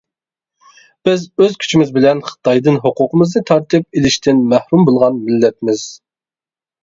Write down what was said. بىز ئۆز كۈچىمىز بىلەن خىتايدىن ھوقۇقىمىزنى تارتىپ ئېلىشتىن مەھرۇم بولغان مىللەتمىز .